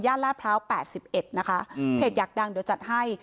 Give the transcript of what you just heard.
ย่านลาดพร้าวแปดสิบเอ็ดนะคะอืมเพจอยากดังเดี๋ยวจัดให้